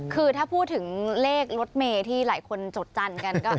คือถ้าพูดถึงเลขรถเมย์ที่หลายคนจดจันทร์กันก็